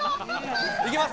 いきます